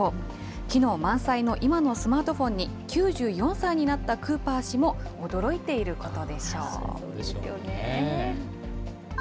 機能満載の今のスマートフォンに、９４歳になったクーパー氏も驚いていることでしょう。